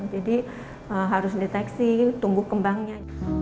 jadi harus deteksi tunggu kembangnya